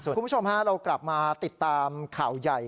คุณผู้ชมฮะเรากลับมาติดตามข่าวใหญ่